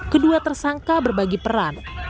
kedua tersangka berbagi peran